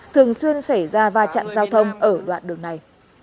thường xuyên xảy ra va chạm giao thông ở đoạn đường này